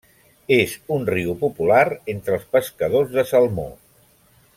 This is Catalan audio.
És un riu popular entre els pescadors de salmó.